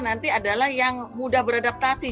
nanti adalah yang mudah beradaptasi